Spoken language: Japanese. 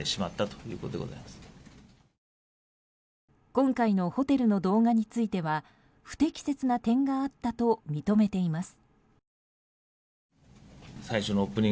今回のホテルの動画については不適切な点があったと認めています。